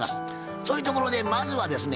そういうところでまずはですね